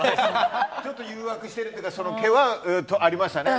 ちょっと誘惑してるというかその気はありましたね。